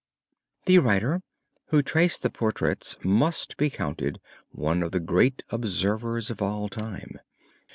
The writer who traced the portraits must be counted one of the great observers of all time.